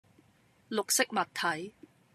綠色物體